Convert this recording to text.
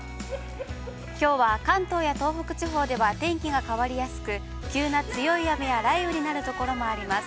きょうは関東や東北地方では、天気が変わりやすく、急な強い雨や雷雨になるところもあります。